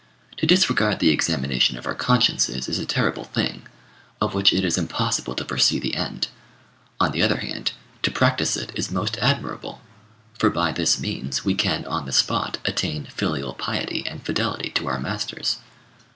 To disregard the examination of our consciences is a terrible thing, of which it is impossible to foresee the end; on the other hand, to practise it is most admirable, for by this means we can on the spot attain filial piety and fidelity to our masters.